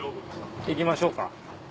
行きましょうか。